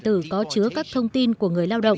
đã được tích hợp với các thông tin của người lao động